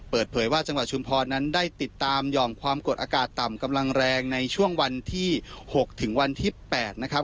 เปิดเผยว่าจังหวัดชุมพรนั้นได้ติดตามหย่อมความกดอากาศต่ำกำลังแรงในช่วงวันที่๖ถึงวันที่๘นะครับ